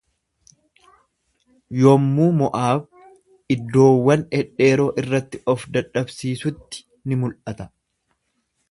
Yommuu Mo'aab iddoowwan dhedheeroo irratti of dadhabsiisutti ni mul'ata.